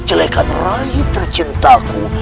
menjelek jelekkan rai tercintaku